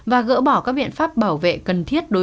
và gỡ bỏ các biện pháp bảo vệ cần thiết đối